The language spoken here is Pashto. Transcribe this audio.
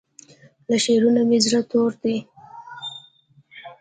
له شعرونو مې زړه تور دی